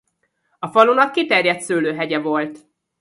A falunak kiterjedt szőlőhegye volt.